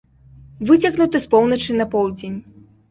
Выцягнуты з поўначы на поўдзень.